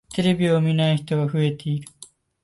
テレビを見ない人が増えている。